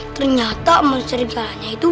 ternyata monster serigalanya itu